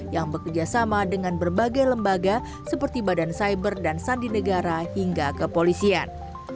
yang bekerjasama dengan berbagai lembaga seperti badan cyber dan sandi negara hingga kepolisian